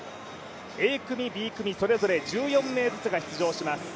Ａ組、Ｂ組それぞれ１４名ずつが出場します。